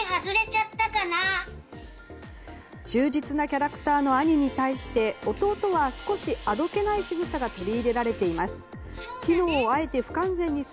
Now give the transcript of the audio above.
忠実なキャラクターの兄に対して弟は少しあどけないしぐさが取り入れられています。